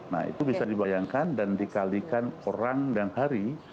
nah itu bisa dibayangkan dan dikalikan orang dan hari